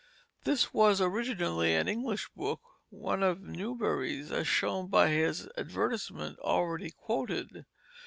This was originally an English book, one of Newbery's, as shown by his advertisement already quoted.